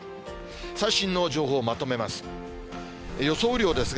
最新の情報をまとめます。